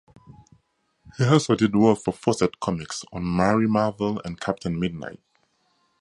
He also did work for Fawcett Comics on "Mary Marvel" and "Captain Midnight".